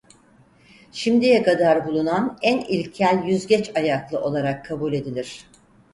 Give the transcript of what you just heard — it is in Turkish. Şimdiye kadar bulunan en ilkel yüzgeçayaklı olarak kabul edilir.